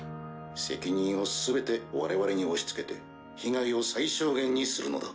責任を全て我々に押し付けて被害を最小限にするのだ。